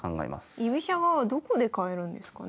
居飛車側はどこで変えるんですかね？